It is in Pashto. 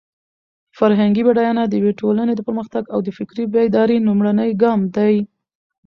فرهنګي بډاینه د یوې ټولنې د پرمختګ او د فکري بیدارۍ لومړنی ګام دی.